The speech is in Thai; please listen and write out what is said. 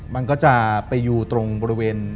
มันก็จะไปอยู่ตรงบริเวณ